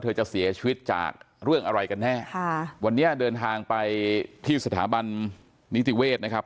จะเสียชีวิตจากเรื่องอะไรกันแน่ค่ะวันนี้เดินทางไปที่สถาบันนิติเวศนะครับ